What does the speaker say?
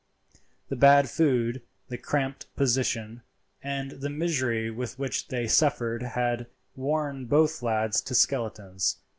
The bad food, the cramped position, and the misery which they suffered had worn both lads to skeletons.